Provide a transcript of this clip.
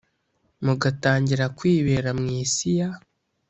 mugatangira kwibera mwisi ya